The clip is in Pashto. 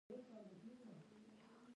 د کارګرانو لپاره مزد وټاکل شو.